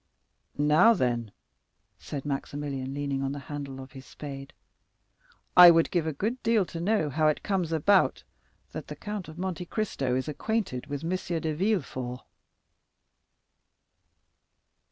"Now, then," said Maximilian, leaning on the handle of his spade, "I would give a good deal to know how it comes about that the Count of Monte Cristo is acquainted with M. de Villefort."